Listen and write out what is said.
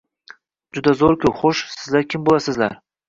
— Juda zo‘r-ku! Xo‘sh, sizlar kim bo‘lasizlar?